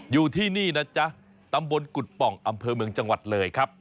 อยู่ที่นี่นะจ๊ะตำบลกุฎป่องอำเภอเมืองจังหวัดเลยครับ